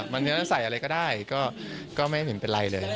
มันก็ใส่อะไรก็ได้ก็ก็ไม่เห็นเป็นไรเลย